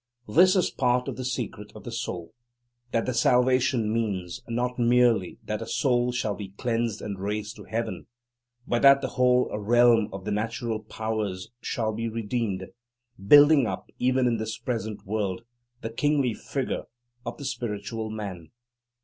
This is part of the secret of the Soul, that salvation means, not merely that a soul shall be cleansed and raised to heaven, but that the whole realm of the natural powers shall be redeemed, building up, even in this present world, the kingly figure of the Spiritual Man.